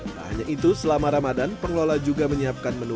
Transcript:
tak hanya itu selama ramadan pengelola juga menyiapkan menu